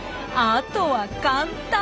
あとは簡単。